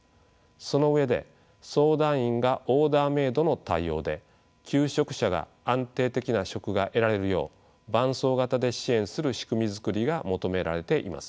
その上で相談員がオーダーメードの対応で求職者が安定的な職が得られるよう伴走型で支援する仕組み作りが求められています。